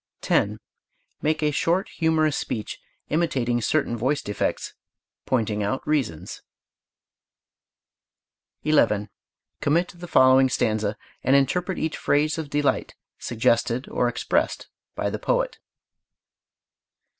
10. Make a short humorous speech imitating certain voice defects, pointing out reasons. 11. Commit the following stanza and interpret each phase of delight suggested or expressed by the poet.